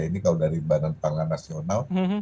ini kalau dari badan pangan nasional